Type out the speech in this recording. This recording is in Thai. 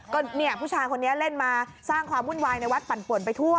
ก็เนี่ยผู้ชายคนนี้เล่นมาสร้างความวุ่นวายในวัดปั่นป่วนไปทั่ว